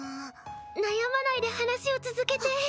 悩まないで話を続けて。